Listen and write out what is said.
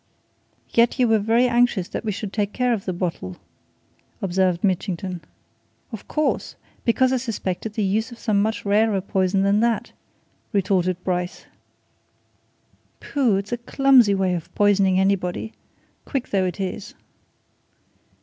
"Yet you were very anxious that we should take care of the bottle?" observed Mitchington. "Of course! because I suspected the use of some much rarer poison than that," retorted Bryce. "Pooh! it's a clumsy way of poisoning anybody! quick though it is."